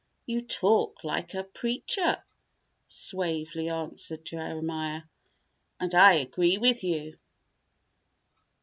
"You talk like a preacher," suavely answered Jeremiah, "and I agree with you.